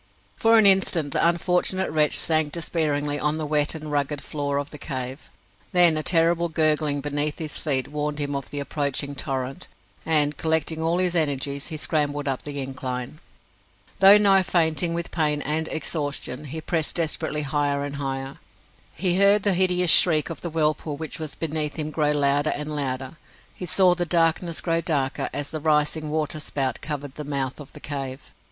For an instant the unfortunate wretch sank despairingly on the wet and rugged floor of the cave; then a terrible gurgling beneath his feet warned him of the approaching torrent, and, collecting all his energies, he scrambled up the incline. Though nigh fainting with pain and exhaustion, he pressed desperately higher and higher. He heard the hideous shriek of the whirlpool which was beneath him grow louder and louder. He saw the darkness grow darker as the rising water spout covered the mouth of the cave.